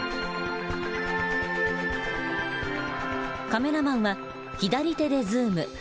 カメラマンは左手でズーム。